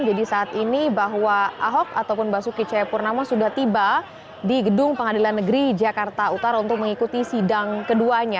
jadi saat ini bahwa ahok ataupun basuki cahaya purnama sudah tiba di gedung pengadilan negeri jakarta utara untuk mengikuti sidang keduanya